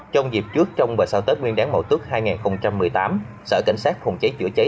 trong dịp trước trong và sau tết nguyên đáng mậu tuấc hai nghìn một mươi tám sở cảnh sát phòng cháy chữa cháy